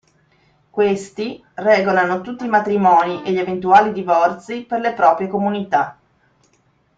Questi regolano tutti i matrimoni e gli eventuali divorzi per le proprie comunità.